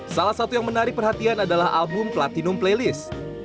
salah satu yang menarik perhatian adalah album platinum playlist